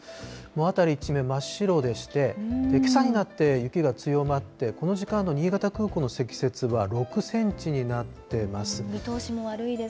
辺り一面真っ白でして、けさになって雪が強まって、この時間の新潟空港の積雪は、６センチになってます。